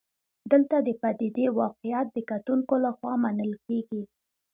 دلته د پدیدې واقعیت د کتونکو لخوا منل کېږي.